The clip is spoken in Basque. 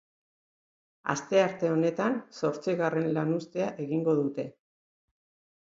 Astearte honetan zortzigarren lanuztea egingo dute.